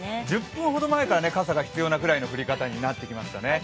１０分ほど前から傘が必要なくらいの降り方になってきましたね。